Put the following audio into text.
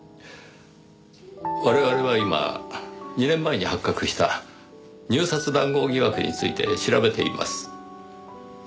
我々は今２年前に発覚した入札談合疑惑について調べています。